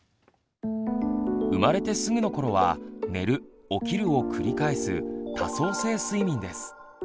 生まれてすぐの頃は寝る起きるを繰り返す「多相性睡眠」です。